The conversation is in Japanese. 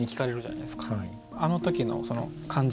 あの時のその感じ